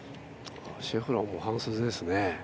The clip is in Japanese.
シェフラーも半袖ですね。